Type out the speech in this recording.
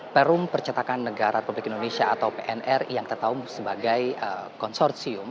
perum percetakan negara republik indonesia atau pnr yang kita tahu sebagai konsorsium